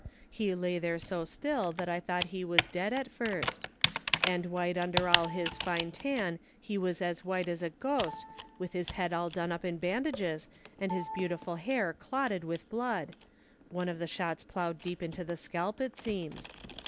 He lay there so still I thought he was dead at first; and white under all his fine tan he he was white as a ghost, with his head all done up in bandages and his beautiful hair clotted with blood— one of the shots plowed deep into the scalp, it seems.